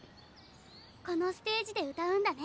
このステージで歌うんだね。